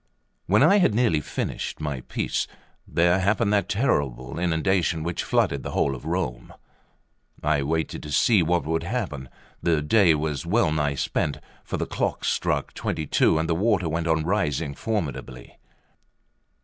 LV WHEN I had nearly finished my piece, there happened that terrible inundation which flooded the whole of Rome. I waited to see what would happen; the day was well nigh spent, for the clocks struck twenty two and the water went on rising formidably.